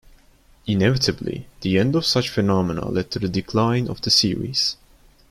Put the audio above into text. Inevitably, the end of such phenomena led to the decline of the series.